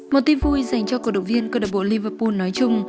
một tin vui dành cho cổ động viên cơ độc bộ liverpool nói chung